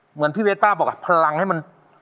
เหมือนพี่เวตป้าบอกพลังให้มัน